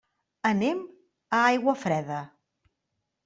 Anem a Aiguafreda.